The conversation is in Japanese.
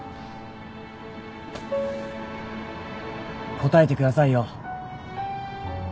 答えてくださいよ。